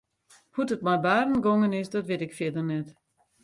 Hoe't it mei Barend gongen is dat wit ik fierder net.